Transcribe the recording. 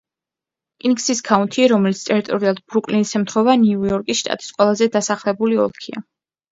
კინგსის ქაუნთი, რომელიც ტერიტორიულად ბრუკლინს ემთხვევა ნიუ-იორკის შტატის ყველაზე დასახლებული ოლქია.